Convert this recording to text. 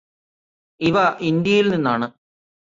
ഇവ ഇന്ത്യയിൽ നിന്നാണ്